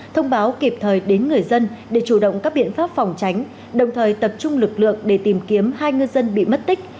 thông báo kịp thời đến người dân để chủ động các biện pháp phòng tránh đồng thời tập trung lực lượng để tìm kiếm hai ngư dân bị mất tích